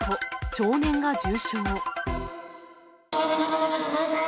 少年が重傷。